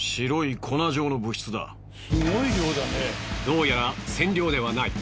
どうやら染料ではない。